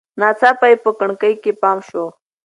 ناڅاپه یې په کړکۍ کې پام شو.